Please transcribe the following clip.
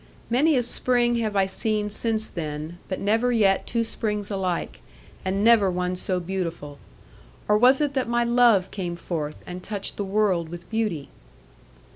Many a spring have I seen since then, but never yet two springs alike, and never one so beautiful. Or was it that my love came forth and touched the world with beauty?